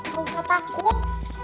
engga usah takut